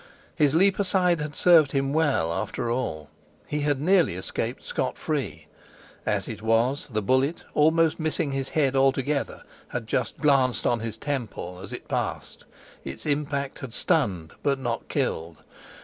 His leap aside had served him well, after all: he had nearly escaped scot free. As it was, the bullet, almost missing his head altogether, had just glanced on his temple as it passed; its impact had stunned, but not killed.